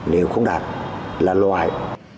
nếu không đạt là loại